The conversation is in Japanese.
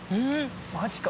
マジか。